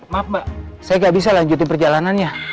maaf mbak saya gak bisa lanjutin perjalanannya